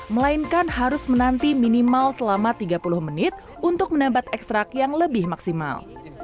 melainkan harus menanti minimal selama tiga puluh menit untuk menembak ekstrak yang lebih maksimal